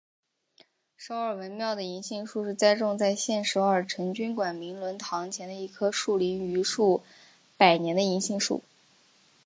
首尔文庙的银杏树是栽种在现首尔成均馆明伦堂前的一棵树龄逾数百年的银杏树。